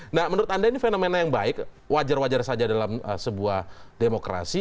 nah menurut anda ini fenomena yang baik wajar wajar saja dalam sebuah demokrasi